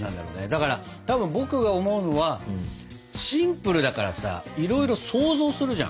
だからたぶん僕が思うのはシンプルだからさいろいろ想像するじゃん。